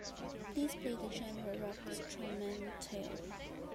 Please play the genre Rock Strumentale.